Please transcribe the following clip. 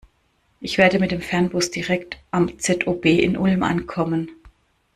Ich werde mit dem Fernbus direkt am ZOB in Ulm ankommen.